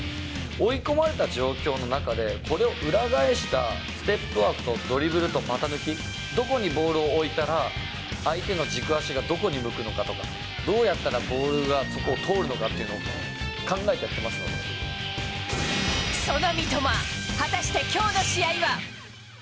追い込まれた状況の中で、これを裏返したステップワークとドリブルと股抜き、どこにボールを置いたら、相手の軸足がどこに向くのかとか、どうやったらボールがそこを通るのかっていうのを考えてやってまその三笘、果たしてきょうの試合は。